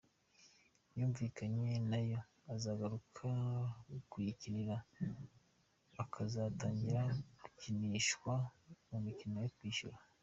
Yumvikanye nayo ko azagaruka kuyikinira akazatangira gukinishwa mu mikino yo kwishyura.